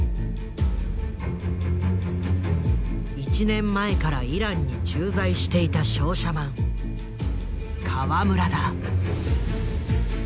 １年前からイランに駐在していた商社マン河村だ。